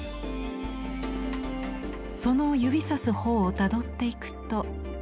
その指さす方をたどっていくと。